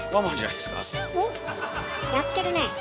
やってるねえ。